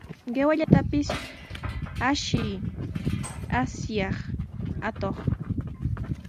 ¡Qiwallatapis ashiy, asyaq atuq!